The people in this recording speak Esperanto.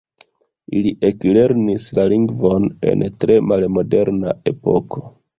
Ili eklernis la lingvon en tre malmoderna epoko.